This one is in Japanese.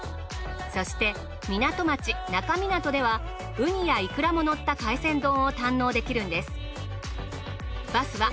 そして港町那珂湊ではウニやイクラものった海鮮丼を堪能できるんです。